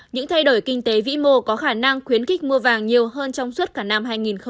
những thay đổi kinh tế vĩ mô có khả năng khuyến khích mua vàng nhiều hơn trong suốt cả năm hai nghìn hai mươi